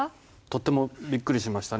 とってもびっくりしましたね。